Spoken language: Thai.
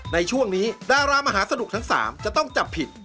ในช่วงนี้ดารามหาสนุกทั้ง๓จะต้องจับผิด